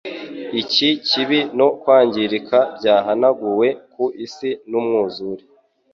Iki kibi no kwangirika byahanaguwe ku isi n’umwuzure.